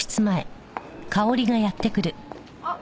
あっ！